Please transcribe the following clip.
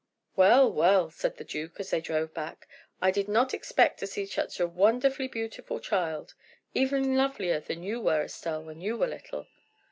"Well, well," said the duke, as they drove back, "I did not expect to see such a wonderfully beautiful child. Even lovelier than you were, Estelle, when you were little."